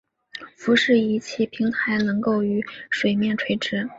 浮式仪器平台能够与水面垂直。